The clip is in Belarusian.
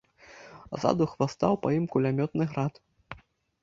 Ззаду хвастаў па ім кулямётны град.